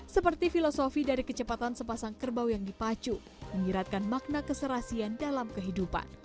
seperti filosofi dari kecepatan sepasang kerbau yang dipacu menyiratkan makna keserasian dalam kehidupan